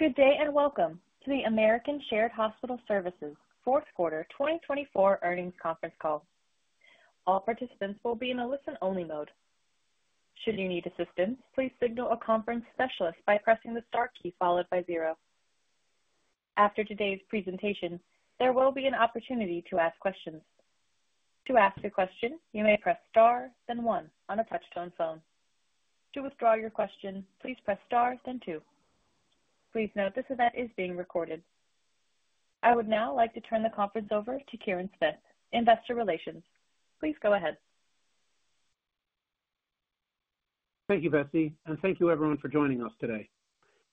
Good day and welcome to the American Shared Hospital Services fourth quarter 2024 earnings conference call. All participants will be in a listen-only mode. Should you need assistance, please signal a conference specialist by pressing the star key followed by zero. After today's presentation, there will be an opportunity to ask questions. To ask a question, you may press star, then one, on a touch-tone phone. To withdraw your question, please press star, then two. Please note this event is being recorded. I would now like to turn the conference over to Karen Smith, Investor Relations. Please go ahead. Thank you, Betsy, and thank you, everyone, for joining us today.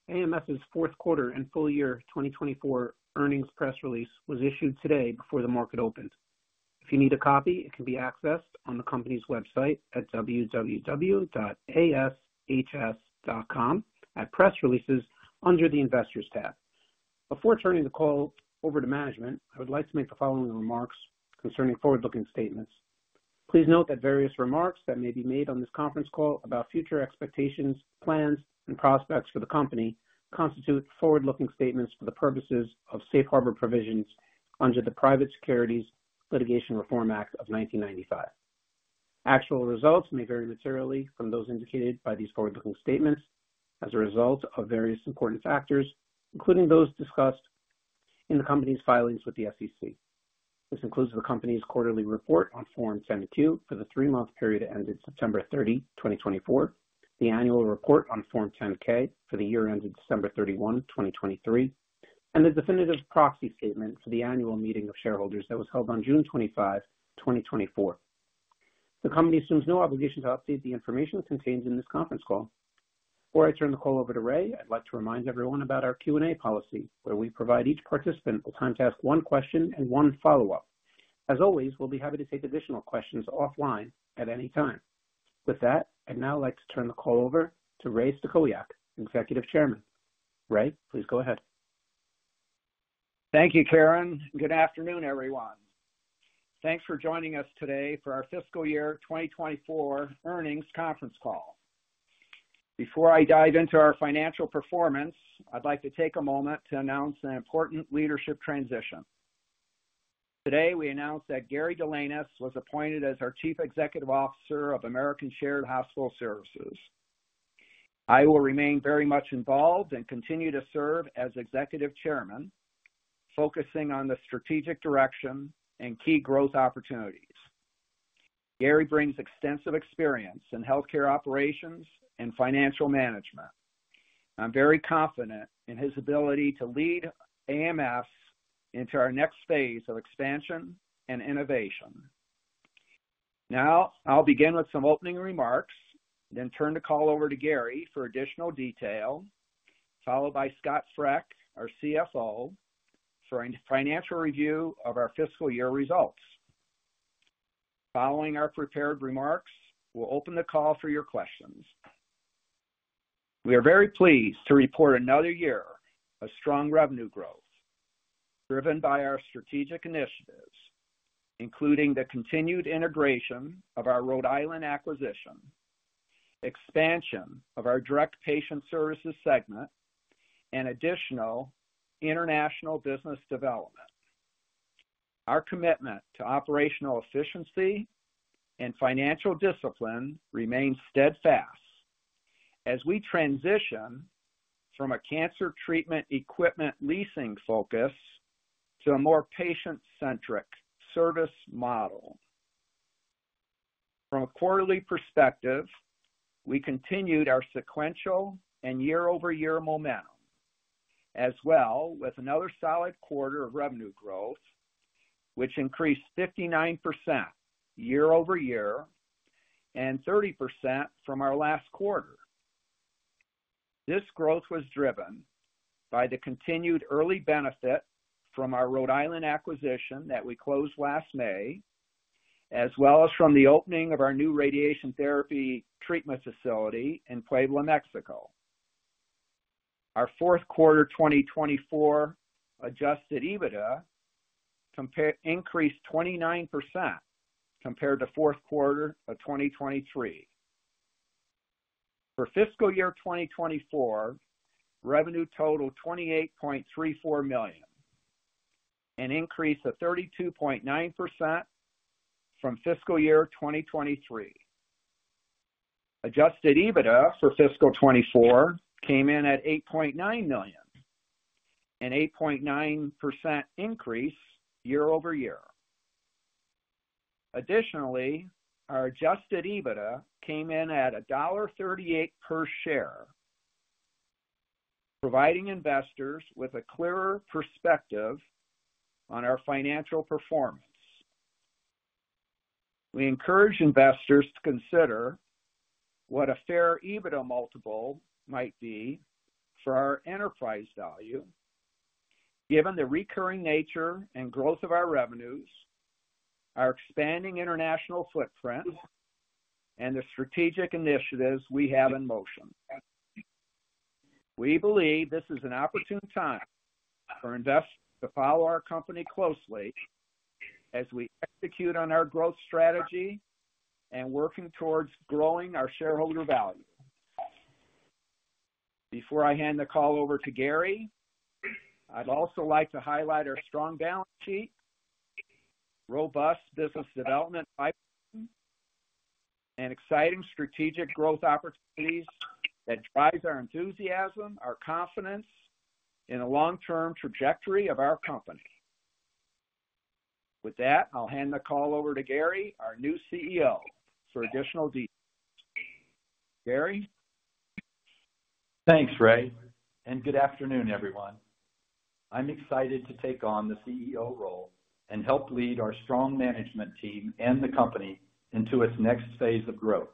AMS's fourth quarter and full year 2024 earnings press release was issued today before the market opened. If you need a copy, it can be accessed on the company's website at www.ashs.com at press releases under the Investors tab. Before turning the call over to management, I would like to make the following remarks concerning forward-looking statements. Please note that various remarks that may be made on this conference call about future expectations, plans, and prospects for the company constitute forward-looking statements for the purposes of safe harbor provisions under the Private Securities Litigation Reform Act of 1995. Actual results may vary materially from those indicated by these forward-looking statements as a result of various important factors, including those discussed in the company's filings with the SEC. This includes the company's quarterly report on Form 10-Q for the three-month period ended September 30, 2024, the annual report on Form 10-K for the year ended December 31, 2023, and the definitive proxy statement for the annual meeting of shareholders that was held on June 25, 2024. The company assumes no obligation to update the information contained in this conference call. Before I turn the call over to Ray, I'd like to remind everyone about our Q&A policy, where we provide each participant the time to ask one question and one follow-up. As always, we'll be happy to take additional questions offline at any time. With that, I'd now like to turn the call over to Ray Stachowiak, Executive Chairman. Ray, please go ahead. Thank you, Karen. Good afternoon, everyone. Thanks for joining us today for our Fiscal Year 2024 earnings conference call. Before I dive into our financial performance, I'd like to take a moment to announce an important leadership transition. Today, we announced that Gary Delanois was appointed as our Chief Executive Officer of American Shared Hospital Services. I will remain very much involved and continue to serve as Executive Chairman, focusing on the strategic direction and key growth opportunities. Gary brings extensive experience in healthcare operations and financial management. I'm very confident in his ability to lead AMS into our next phase of expansion and innovation. Now, I'll begin with some opening remarks, then turn the call over to Gary for additional detail, followed by Scott Frech, our CFO, for a financial review of our fiscal year results. Following our prepared remarks, we'll open the call for your questions. We are very pleased to report another year of strong revenue growth, driven by our strategic initiatives, including the continued integration of our Rhode Island acquisition, expansion of our direct patient services segment, and additional international business development. Our commitment to operational efficiency and financial discipline remains steadfast as we transition from a cancer treatment equipment leasing focus to a more patient-centric service model. From a quarterly perspective, we continued our sequential and year-over-year momentum, as well as another solid quarter of revenue growth, which increased 59% year-over-year and 30% from our last quarter. This growth was driven by the continued early benefit from our Rhode Island acquisition that we closed last May, as well as from the opening of our new radiation therapy treatment facility in Puebla, Mexico. Our fourth quarter 2024 adjusted EBITDA increased 29% compared to fourth quarter of 2023. For Fiscal Year 2024, revenue totaled $28.34 million, an increase of 32.9% from Fiscal Year 2023. Adjusted EBITDA for Fiscal 24 came in at $8.9 million, an 8.9% increase year-over-year. Additionally, our adjusted EBITDA came in at $1.38 per share, providing investors with a clearer perspective on our financial performance. We encourage investors to consider what a fair EBITDA multiple might be for our enterprise value, given the recurring nature and growth of our revenues, our expanding international footprint, and the strategic initiatives we have in motion. We believe this is an opportune time for investors to follow our company closely as we execute on our growth strategy and work towards growing our shareholder value. Before I hand the call over to Gary, I'd also like to highlight our strong balance sheet, robust business development pipeline, and exciting strategic growth opportunities that drive our enthusiasm, our confidence, and the long-term trajectory of our company. With that, I'll hand the call over to Gary, our new CEO, for additional details. Gary. Thanks, Ray. Good afternoon, everyone. I'm excited to take on the CEO role and help lead our strong management team and the company into its next phase of growth.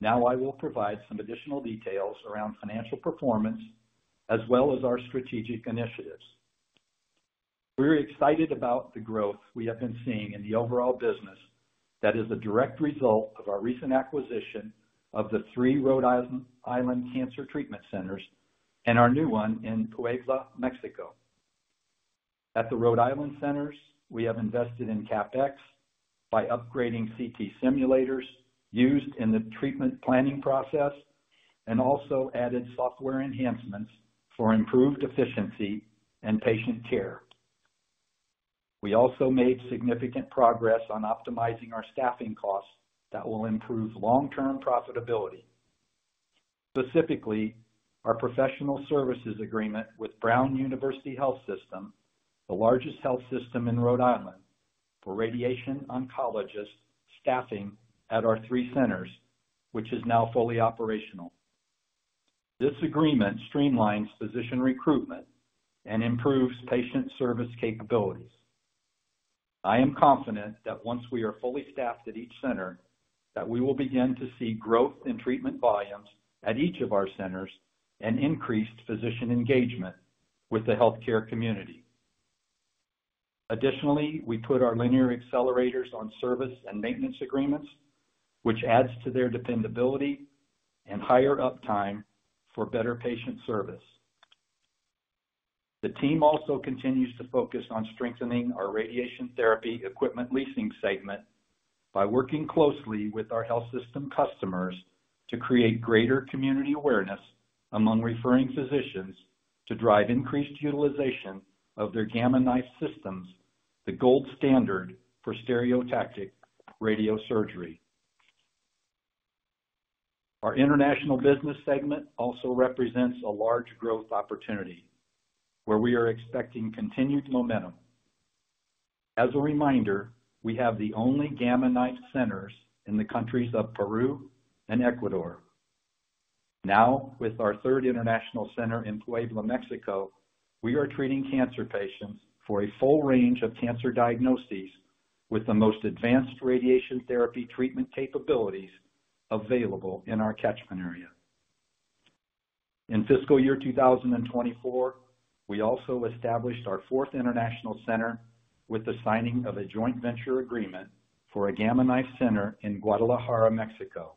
Now, I will provide some additional details around financial performance as well as our strategic initiatives. We're excited about the growth we have been seeing in the overall business that is a direct result of our recent acquisition of the three Rhode Island cancer treatment centers and our new one in Puebla, Mexico. At the Rhode Island centers, we have invested in CapEx by upgrading CT simulators used in the treatment planning process and also added software enhancements for improved efficiency and patient care. We also made significant progress on optimizing our staffing costs that will improve long-term profitability. Specifically, our professional services agreement with Brown University Health System, the largest health system in Rhode Island for radiation oncologist staffing at our three centers, which is now fully operational. This agreement streamlines physician recruitment and improves patient service capabilities. I am confident that once we are fully staffed at each center, we will begin to see growth in treatment volumes at each of our centers and increased physician engagement with the healthcare community. Additionally, we put our linear accelerators on service and maintenance agreements, which adds to their dependability and higher uptime for better patient service. The team also continues to focus on strengthening our radiation therapy equipment leasing segment by working closely with our health system customers to create greater community awareness among referring physicians to drive increased utilization of their Gamma Knife systems, the gold standard for stereotactic radiosurgery. Our international business segment also represents a large growth opportunity, where we are expecting continued momentum. As a reminder, we have the only Gamma Knife centers in the countries of Peru and Ecuador. Now, with our third international center in Puebla, Mexico, we are treating cancer patients for a full range of cancer diagnoses with the most advanced radiation therapy treatment capabilities available in our catchment area. In Fiscal Year 2024, we also established our fourth international center with the signing of a joint venture agreement for a Gamma Knife center in Guadalajara, Mexico.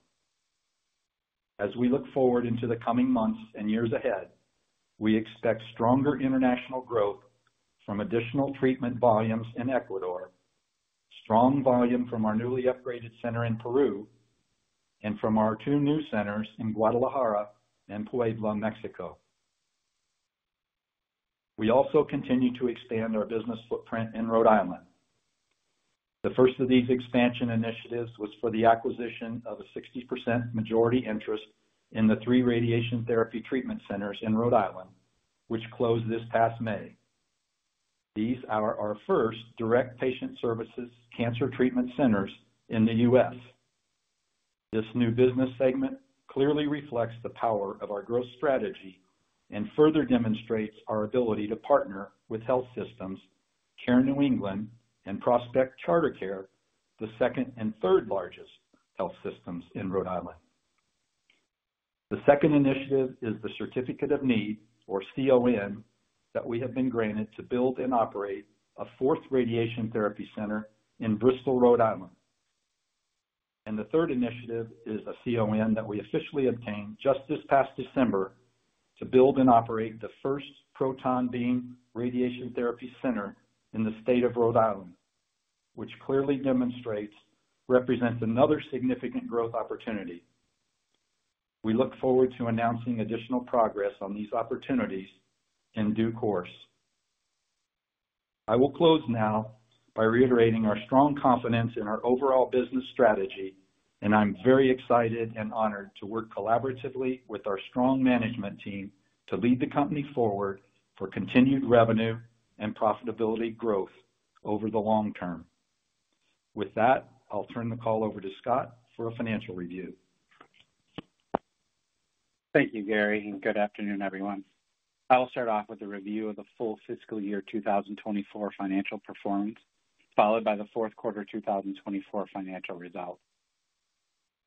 As we look forward into the coming months and years ahead, we expect stronger international growth from additional treatment volumes in Ecuador, strong volume from our newly upgraded center in Peru, and from our two new centers in Guadalajara and Puebla, Mexico. We also continue to expand our business footprint in Rhode Island. The first of these expansion initiatives was for the acquisition of a 60% majority interest in the three radiation therapy treatment centers in Rhode Island, which closed this past May. These are our first direct patient services cancer treatment centers in the U.S. This new business segment clearly reflects the power of our growth strategy and further demonstrates our ability to partner with health systems Care New England and Prospect CharterCARE, the second and third largest health systems in Rhode Island. The second initiative is the Certificate of Need, or CON, that we have been granted to build and operate a fourth radiation therapy center in Bristol, Rhode Island. The third initiative is a CON that we officially obtained just this past December to build and operate the first proton beam radiation therapy center in the state of Rhode Island, which clearly represents another significant growth opportunity. We look forward to announcing additional progress on these opportunities in due course. I will close now by reiterating our strong confidence in our overall business strategy, and I'm very excited and honored to work collaboratively with our strong management team to lead the company forward for continued revenue and profitability growth over the long term. With that, I'll turn the call over to Scott for a financial review. Thank you, Gary, and good afternoon, everyone. I'll start off with a review of the full Fiscal Year 2024 financial performance, followed by the fourth quarter 2024 financial result.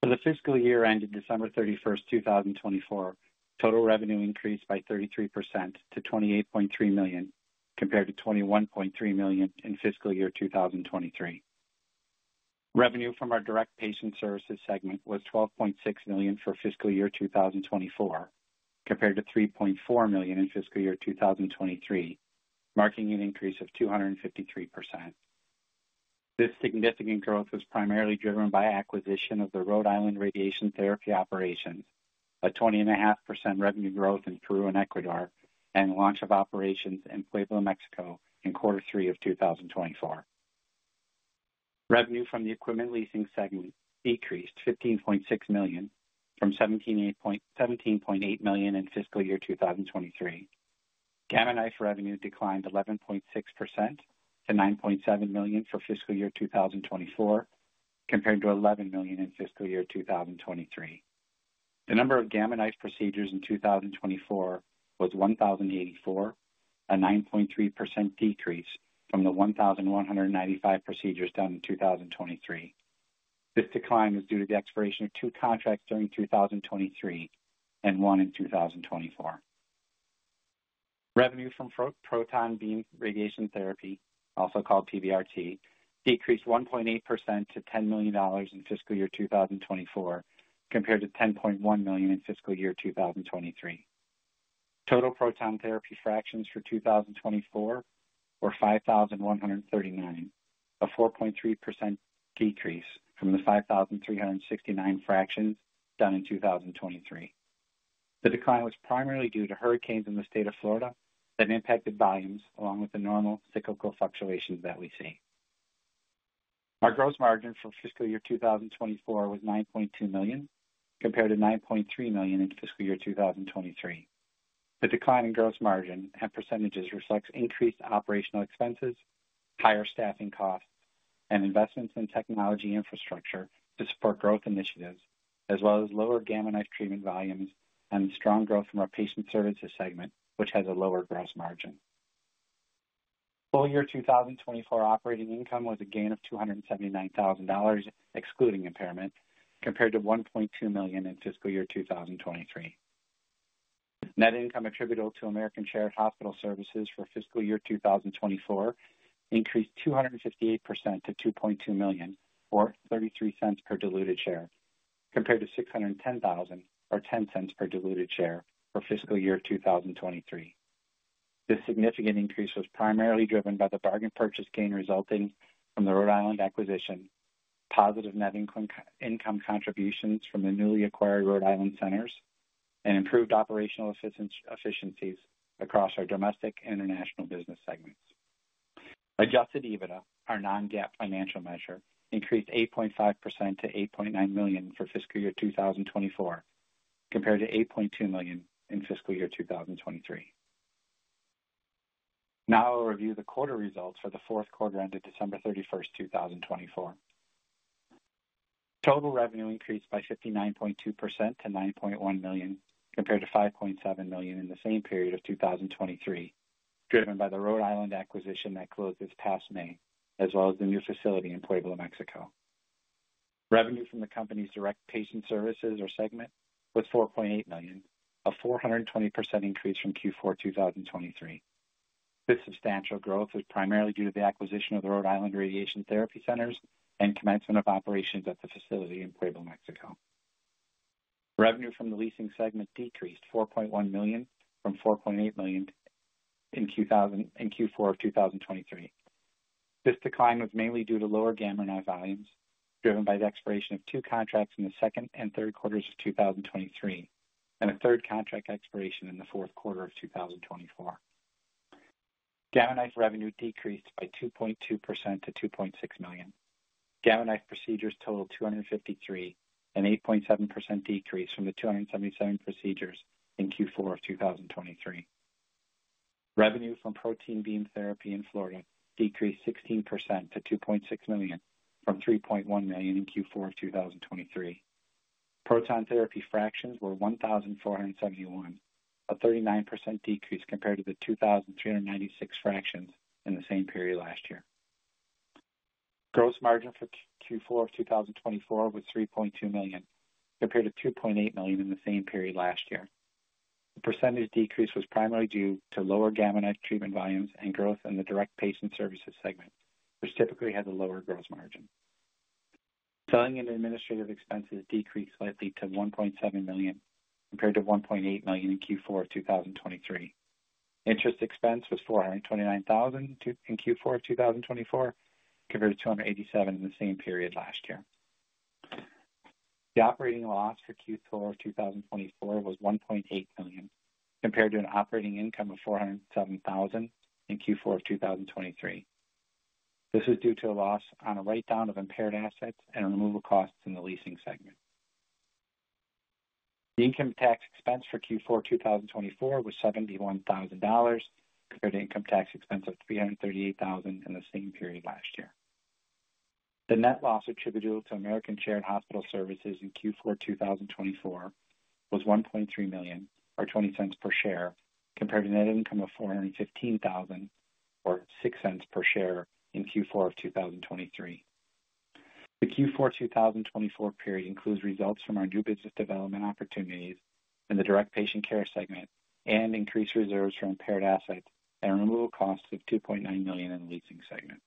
For the fiscal year ended December 31, 2024, total revenue increased by 33% to $28.3 million, compared to $21.3 million in Fiscal Year 2023. Revenue from our direct patient services segment was $12.6 million for Fiscal Year 2024, compared to $3.4 million in Fiscal Year 2023, marking an increase of 253%. This significant growth was primarily driven by acquisition of the Rhode Island radiation therapy operations, a 20.5% revenue growth in Peru and Ecuador, and launch of operations in Puebla, Mexico, in quarter three of 2024. Revenue from the equipment leasing segment decreased to $15.6 million from $17.8 million in Fiscal Year 2023. Gamma Knife revenue declined 11.6% to $9.7 million for Fiscal Year 2024, compared to $11 million in Fiscal Year 2023. The number of Gamma Knife procedures in 2024 was 1,084, a 9.3% decrease from the 1,195 procedures done in 2023. This decline is due to the expiration of two contracts during 2023 and one in 2024. Revenue from proton beam radiation therapy, also called PBRT, decreased 1.8% to $10 million in Fiscal Year 2024, compared to $10.1 million in Fiscal Year 2023. Total proton therapy fractions for 2024 were 5,139, a 4.3% decrease from the 5,369 fractions done in 2023. The decline was primarily due to hurricanes in the state of Florida that impacted volumes, along with the normal cyclical fluctuations that we see. Our gross margin for Fiscal Year 2024 was $9.2 million, compared to $9.3 million in Fiscal Year 2023. The decline in gross margin and percentages reflects increased operational expenses, higher staffing costs, and investments in technology infrastructure to support growth initiatives, as well as lower Gamma Knife treatment volumes and strong growth from our patient services segment, which has a lower gross margin. Full year 2024 operating income was a gain of $279,000, excluding impairment, compared to $1.2 million in Fiscal Year 2023. Net income attributable to American Shared Hospital Services for Fiscal Year 2024 increased 258% to $2.2 million, or $0.33 per diluted share, compared to $610,000, or $0.10 per diluted share for Fiscal Year 2023. This significant increase was primarily driven by the bargain purchase gain resulting from the Rhode Island acquisition, positive net income contributions from the newly acquired Rhode Island centers, and improved operational efficiencies across our domestic and international business segments. Adjusted EBITDA, our non-GAAP financial measure, increased 8.5% to $8.9 million for Fiscal Year 2024, compared to $8.2 million in Fiscal Year 2023. Now, I'll review the quarter results for the fourth quarter ended December 31, 2024. Total revenue increased by 59.2% to $9.1 million, compared to $5.7 million in the same period of 2023, driven by the Rhode Island acquisition that closed this past May, as well as the new facility in Puebla, Mexico. Revenue from the company's direct patient services segment was $4.8 million, a 420% increase from Q4 2023. This substantial growth is primarily due to the acquisition of the Rhode Island radiation therapy centers and commencement of operations at the facility in Puebla, Mexico. Revenue from the leasing segment decreased to $4.1 million from $4.8 million in Q4 of 2023. This decline was mainly due to lower Gamma Knife volumes, driven by the expiration of two contracts in the second and third quarters of 2023, and a third contract expiration in the fourth quarter of 2024. Gamma Knife revenue decreased by 2.2% to $2.6 million. Gamma Knife procedures totaled 253, an 8.7% decrease from the 277 procedures in Q4 of 2023. Revenue from proton beam therapy in Florida decreased 16% to $2.6 million from $3.1 million in Q4 of 2023. Proton therapy fractions were 1,471, a 39% decrease compared to the 2,396 fractions in the same period last year. Gross margin for Q4 of 2024 was $3.2 million, compared to $2.8 million in the same period last year. The percentage decrease was primarily due to lower Gamma Knife treatment volumes and growth in the direct patient services segment, which typically has a lower gross margin. Selling and administrative expenses decreased slightly to $1.7 million, compared to $1.8 million in Q4 of 2023. Interest expense was $429,000 in Q4 of 2024, compared to $287,000 in the same period last year. The operating loss for Q4 of 2024 was $1.8 million, compared to an operating income of $407,000 in Q4 of 2023. This was due to a loss on a write-down of impaired assets and removal costs in the leasing segment. The income tax expense for Q4 of 2024 was $71,000, compared to income tax expense of $338,000 in the same period last year. The net loss attributable to American Shared Hospital Services in Q4 of 2024 was $1.3 million, or $0.20 per share, compared to net income of $415,000, or $0.06 per share in Q4 of 2023. The Q4 of 2024 period includes results from our new business development opportunities in the direct patient care segment and increased reserves for impaired assets and removal costs of $2.9 million in the leasing segment.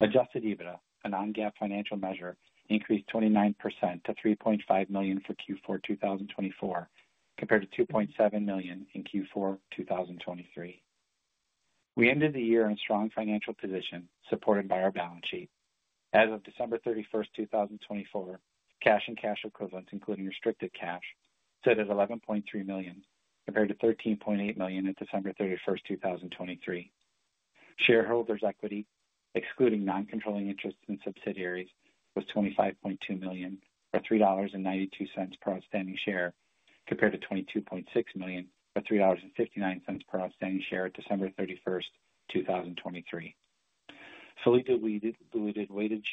Adjusted EBITDA, a non-GAAP financial measure, increased 29% to $3.5 million for Q4 of 2024, compared to $2.7 million in Q4 of 2023. We ended the year in a strong financial position supported by our balance sheet. As of December 31, 2024, cash and cash equivalents, including restricted cash, stood at $11.3 million, compared to $13.8 million at December 31, 2023. Shareholders' equity, excluding non-controlling interest in subsidiaries, was $25.2 million, or $3.92 per outstanding share, compared to $22.6 million, or $3.59 per outstanding share at December 31, 2023. Fully diluted weighted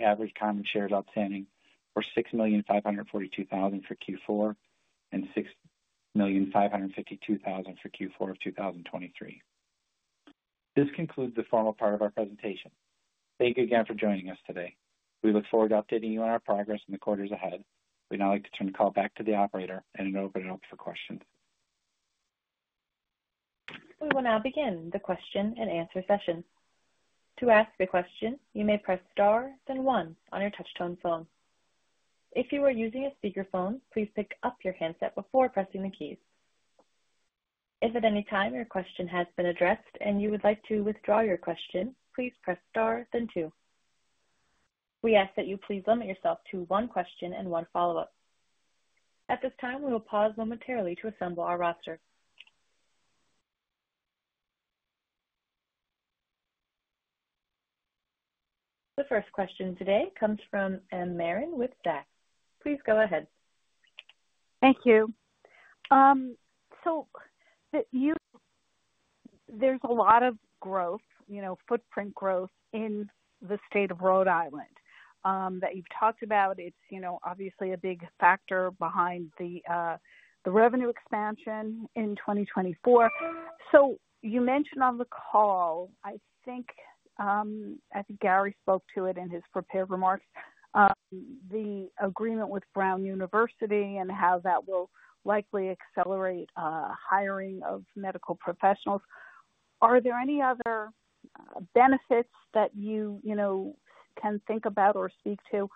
average common shares outstanding were 6,542,000 for Q4 and 6,552,000 for Q4 of 2023. This concludes the formal part of our presentation. Thank you again for joining us today. We look forward to updating you on our progress in the quarters ahead. We'd now like to turn the call back to the operator and open it up for questions. We will now begin the question and answer session. To ask a question, you may press star then one on your touch-tone phone. If you are using a speakerphone, please pick up your handset before pressing the keys. If at any time your question has been addressed and you would like to withdraw your question, please press star then two. We ask that you please limit yourself to one question and one follow-up. At this time, we will pause momentarily to assemble our roster. The first question today comes from Marla Marin with Zacks Investment Research Please go ahead. Thank you. There is a lot of growth, you know, footprint growth in the state of Rhode Island that you've talked about. It's, you know, obviously a big factor behind the revenue expansion in 2024. You mentioned on the call, I think Gary spoke to it in his prepared remarks, the agreement with Brown University and how that will likely accelerate hiring of medical professionals. Are there any other benefits that you, you know, can think about or speak to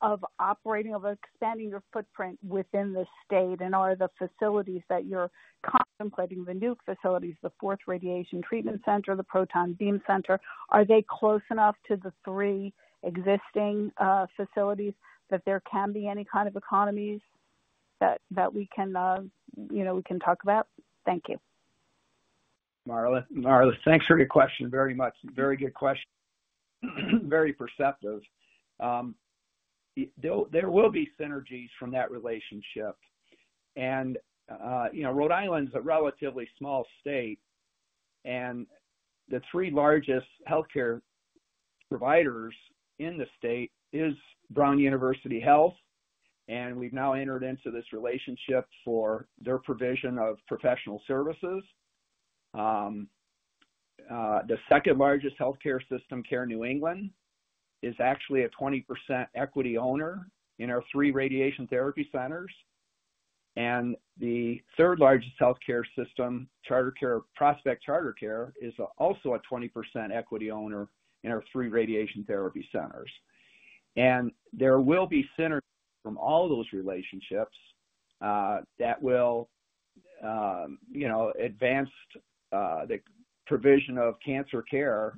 of operating, of expanding your footprint within the state? Are the facilities that you're contemplating, the new facilities, the Fourth Radiation Treatment Center, the Proton Beam Center, close enough to the three existing facilities that there can be any kind of economies that we can, you know, we can talk about? Thank you. Marla, thanks for your question very much. Very good question. Very perceptive. There will be synergies from that relationship. You know, Rhode Island's a relatively small state, and the three largest healthcare providers in the state are Brown University Health, and we've now entered into this relationship for their provision of professional services. The second largest healthcare system, Care New England, is actually a 20% equity owner in our three radiation therapy centers. The third largest healthcare system, Prospect CharterCARE, is also a 20% equity owner in our three radiation therapy centers. There will be synergies from all those relationships that will, you know, advance the provision of cancer care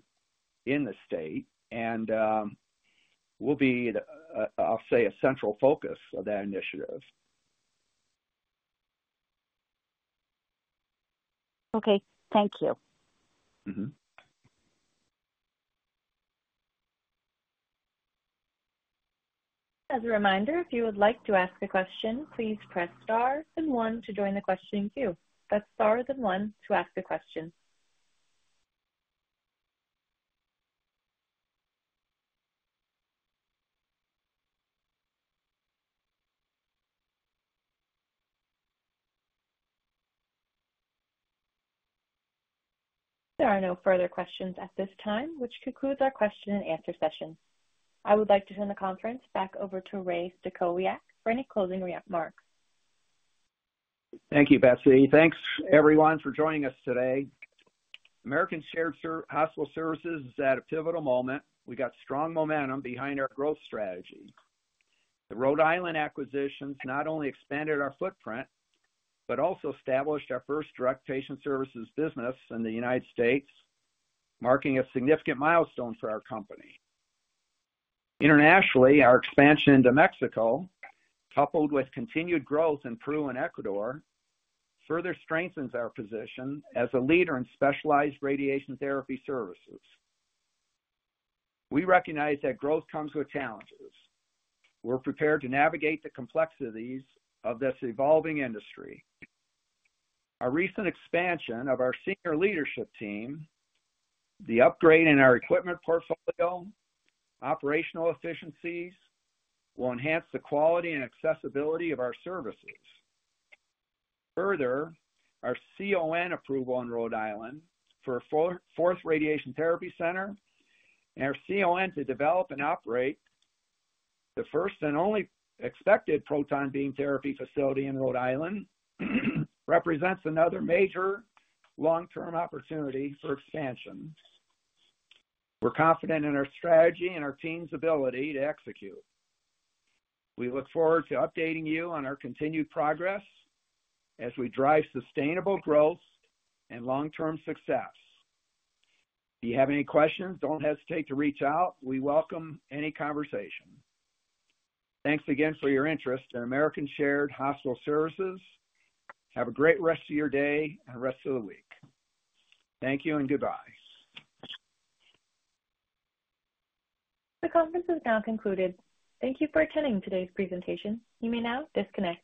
in the state and will be, I'll say, a central focus of that initiative. Okay. Thank you. As a reminder, if you would like to ask a question, please press star then one to join the question queue. Press star then one to ask a question. There are no further questions at this time, which concludes our question and answer session. I would like to turn the conference back over to Ray Stachowiak for any closing remarks. Thank you, Betsy. Thanks, everyone, for joining us today. American Shared Hospital Services is at a pivotal moment. We've got strong momentum behind our growth strategy. The Rhode Island acquisitions not only expanded our footprint, but also established our first direct patient services business in the United States, marking a significant milestone for our company. Internationally, our expansion into Mexico, coupled with continued growth in Peru and Ecuador, further strengthens our position as a leader in specialized radiation therapy services. We recognize that growth comes with challenges. We're prepared to navigate the complexities of this evolving industry. Our recent expansion of our senior leadership team, the upgrade in our equipment portfolio, and operational efficiencies will enhance the quality and accessibility of our services. Further, our CON approval in Rhode Island for a fourth radiation therapy center and our CON to develop and operate the first and only expected proton beam therapy facility in Rhode Island represents another major long-term opportunity for expansion. We're confident in our strategy and our team's ability to execute. We look forward to updating you on our continued progress as we drive sustainable growth and long-term success. If you have any questions, don't hesitate to reach out. We welcome any conversation. Thanks again for your interest in American Shared Hospital Services. Have a great rest of your day and rest of the week. Thank you and goodbye. The conference has now concluded. Thank you for attending today's presentation. You may now disconnect.